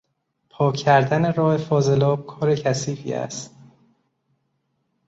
پاک کردن راه فاضلاب کار کثیفی است.